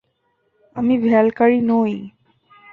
আমি ভ্যালকারি নই।